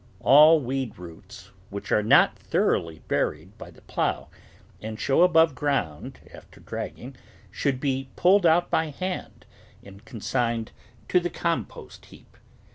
All weed roots which are not thoroughly buried by the plough and show above ground after dragging should be pulled out by hand and con signed to the compost heap.